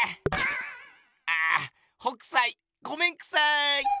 北斎ごめんくさい！